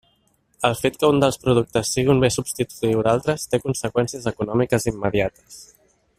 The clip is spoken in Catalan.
El fet que un dels productes sigui un bé substitutiu d'altres té conseqüències econòmiques immediates.